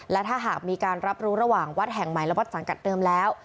และถ้าหากมีการรับรู้ระหว่างวัดแห่งใหม่และวัดสังกัดเดิมแล้ว